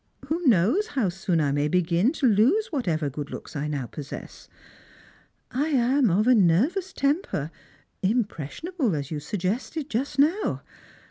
Who knows how soon I may begin to lose what ever good looks I now possess .5^ I am of a nervous temper; impressionable, as you suggested just now.